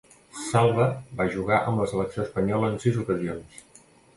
Salva va jugar amb la selecció espanyola en sis ocasions.